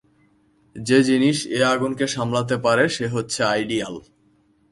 যে জিনিস এ আগুনকে সামলাতে পারে সে হচ্ছে আইডিয়াল।